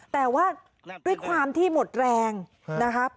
แต่ว่าด้วยความที่หมดแรงนะครับ